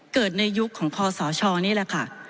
เกิดในยุคของคศนี่แหละค่ะ